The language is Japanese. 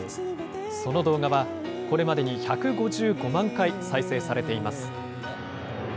その動画はこれまでに１５５万回再生されています。